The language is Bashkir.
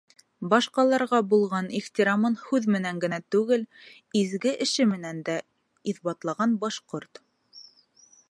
Башҡаларға булған ихтирамын һүҙ менән генә түгел, изге эше менән дә иҫбатлаған башҡорт.